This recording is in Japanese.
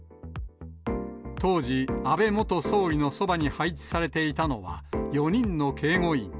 当時、安倍元総理のそばに配置されていたのは、４人の警護員。